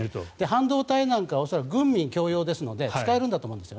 半導体なんかは恐らく軍民共用ですので使えるんだと思います。